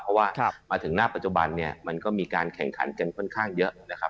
เพราะว่ามาถึงหน้าปัจจุบันเนี่ยมันก็มีการแข่งขันกันค่อนข้างเยอะนะครับ